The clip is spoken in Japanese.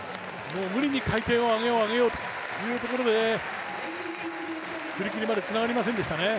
無理に回転を上げよう上げようというところで振り切りまでつながりませんでしたね。